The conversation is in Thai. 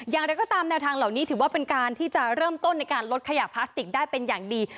อย่างไรก็ตามแนวทางเหล่านี้ถือว่าเป็นการที่จะเริ่มต้นในการลดขยะพลาสติกได้เป็นอย่างดี